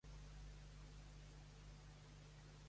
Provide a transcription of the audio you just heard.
Java no és el mateix que JavaScript.